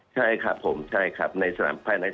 ใช่ครับภายในสนามบินนะครับ